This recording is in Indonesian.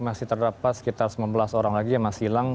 masih terdapat sekitar sembilan belas orang lagi yang masih hilang